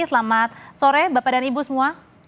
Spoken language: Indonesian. selamat sore bapak dan ibu semua